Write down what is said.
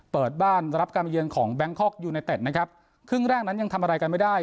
เปิดบ้านรับการมาเยือนของแบงคอกยูไนเต็ดนะครับครึ่งแรกนั้นยังทำอะไรกันไม่ได้